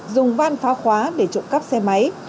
dùng van phá khóa để trộm cắp xe máy